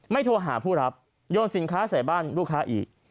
โทรหาผู้รับโยนสินค้าใส่บ้านลูกค้าอีก